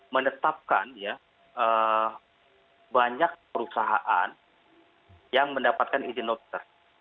menetapkan banyak perusahaan yang mendapatkan izin noter